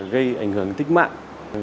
gây ảnh hưởng tích mạng